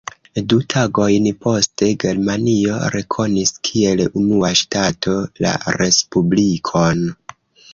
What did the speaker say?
Du tagojn poste Germanio rekonis kiel unua ŝtato la Respublikon.